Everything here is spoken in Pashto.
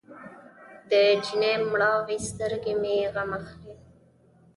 د جینۍ مړاوې سترګې مې غم اخلي.